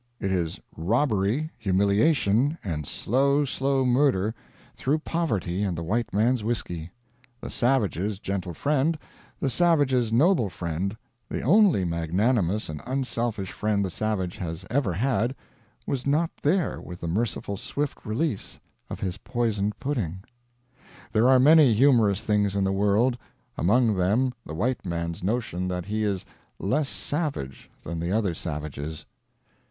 It is robbery, humiliation, and slow, slow murder, through poverty and the white man's whisky. The savage's gentle friend, the savage's noble friend, the only magnanimous and unselfish friend the savage has ever had, was not there with the merciful swift release of his poisoned pudding. There are many humorous things in the world; among them the white man's notion that he is less savage than the other savages.